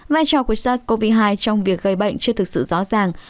vai trò của sars cov hai trong việc gây bệnh chưa thực sự rõ ràng